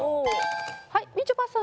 はいみちょぱさん。